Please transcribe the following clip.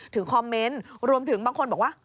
คอมเมนต์รวมถึงบางคนบอกว่า